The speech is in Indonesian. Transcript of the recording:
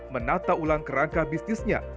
menata ulang kerangka bisnisnya